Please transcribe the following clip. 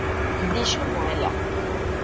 _Díxomo ela.